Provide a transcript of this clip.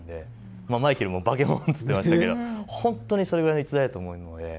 まあ、マイケルもバケモンって言ってましたけど、本当にそれぐらいの逸材だと思うので。